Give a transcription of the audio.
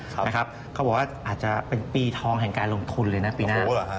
เขาบอกว่าอาจจะเป็นปีทองแห่งการลงทุนเลยนะปีหน้า